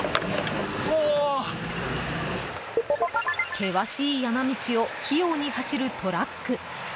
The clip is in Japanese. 険しい山道を器用に走るトラック。